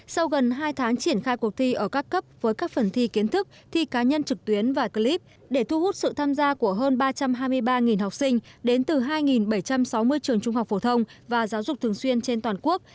sau gần hai tháng triển khai cuộc thi ở các cấp với các phần thi kiến thức thi cá nhân trực tuyến và clip để thu hút sự tham gia của hơn ba trăm hai mươi ba học sinh đến từ hai bảy trăm sáu mươi trường trung học phổ thông và giáo dục thường xuyên trên toàn quốc